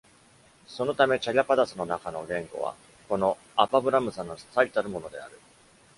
そのため、チャリャパダスの中の言語はこのアパブラムサの最たるものである。